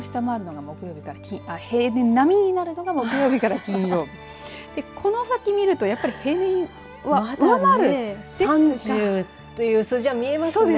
平年並みになるのが木曜日から金曜日この先見るとやっぱり平年は上回るんですが３０という数字は見えますね。